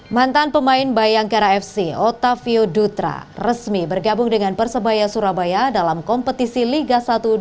mantan pemain bayangkara fc otavio dutra resmi bergabung dengan persebaya surabaya dalam kompetisi liga satu dua ribu dua puluh